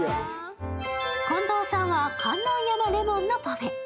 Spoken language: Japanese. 近藤さんは観音山レモンのパフェ。